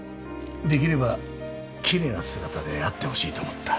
できれば奇麗な姿で会ってほしいと思った。